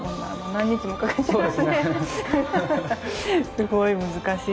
すごい難しい。